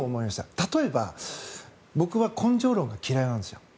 例えば、僕は根性論が嫌いなんですよ。